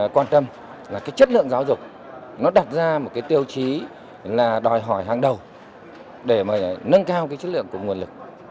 quan tâm là cái chất lượng giáo dục nó đặt ra một cái tiêu chí là đòi hỏi hàng đầu để mà nâng cao cái chất lượng của nguồn lực